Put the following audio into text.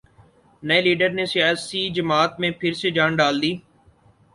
نئےلیڈر نے سیاسی جماعت میں پھر سے جان ڈال دی